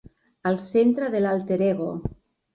Al centre de l'alter ego.